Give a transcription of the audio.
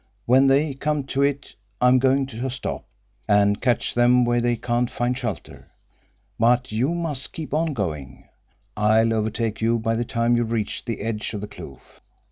When they come to it I'm going to stop, and catch them where they can't find shelter. But you must keep on going. I'll overtake you by the time you reach the edge of the kloof."